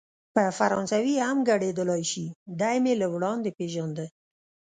په فرانسوي هم ګړیدلای شي، دی مې له وړاندې پېژانده.